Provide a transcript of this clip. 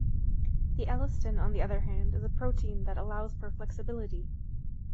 The elastin on the other hand is a protein that allows for flexibility.